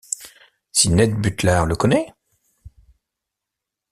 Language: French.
Si Ned Butlar le connaît?...